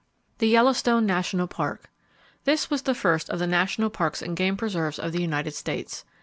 The Yellowstone National Park. —This was the first of the national parks and game preserves of the United States.